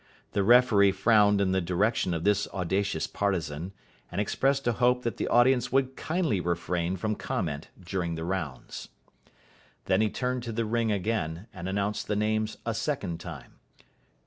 The referee frowned in the direction of this audacious partisan, and expressed a hope that the audience would kindly refrain from comment during the rounds. Then he turned to the ring again, and announced the names a second time.